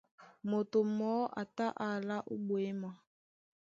Moto mɔɔ́ a tá á alá ó ɓwěma.